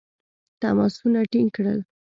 تماسونه ټینګ کړل.